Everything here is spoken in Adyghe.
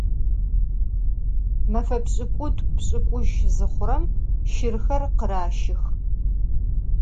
Mefe pş'ık'ut'u - pş'ık'utş zıxhurem şırxer khıraşıx.